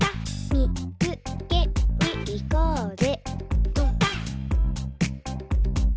「みつけにいこうぜ」